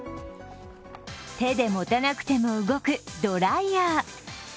手で持たなくても動くドライヤー。